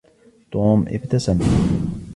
توم إبتسم.